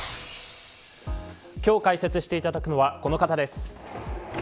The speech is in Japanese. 今日、解説していただくのはこの方です。